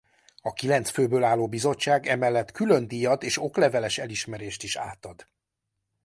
A kilenc főből álló bizottság emellett különdíjat és okleveles elismerést is átad.